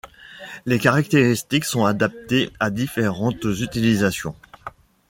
Les caractéristiques sont adaptées à différentes utilisations.